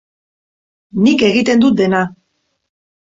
Nik egiten dut dena.